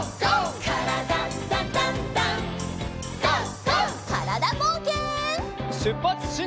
からだぼうけん。